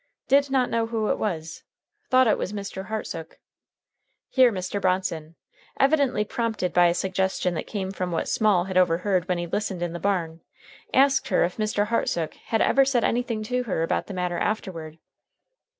Did not know who it was. Thought it was Mr. Hartsook. Here Mr. Bronson (evidently prompted by a suggestion that came from what Small had overheard when he listened in the barn) asked her if Mr. Hartsook had ever said anything to her about the matter afterward.